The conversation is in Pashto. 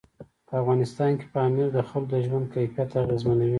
په افغانستان کې پامیر د خلکو د ژوند کیفیت اغېزمنوي.